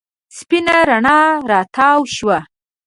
سپېنه رڼا راتاو شوه.